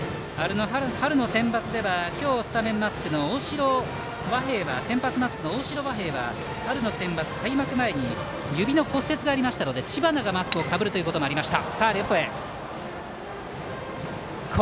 春のセンバツでは今日スタメンマスクの大城和平は春のセンバツ開幕前に指の骨折がありましたので知花がマスクをかぶることもありました。